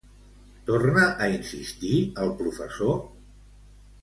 Torna a insistir el professor?